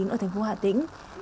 ở thành phố hà tĩnh